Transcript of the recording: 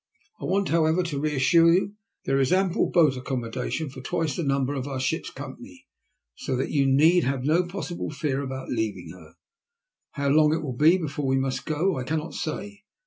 I want, however, to reassure you. There is ample boat accommodation for twice the number of our ship*s company, so that you need have no possible fear about leaving her. How long it will be before we must go I cannot say.